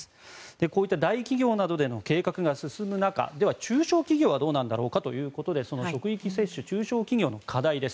こういった大企業などでの計画が進む中では、中小企業はどうなんだろうかということでその職域接種中小企業の課題です。